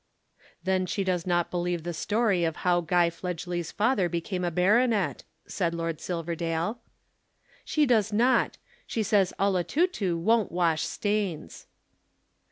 "Then she does not believe the story of how Guy Fledgely's father became a baronet," said Lord Silverdale. "She does not. She says 'Olotutu' won't wash stains."